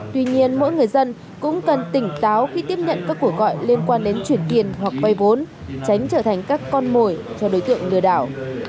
tuy nhiên mỗi người dân cũng cần tỉnh táo khi tiếp nhận các cuộc gọi liên quan đến chuyển tiền hoặc vây vốn tránh trở thành các con mồi cho đối tượng lừa đảo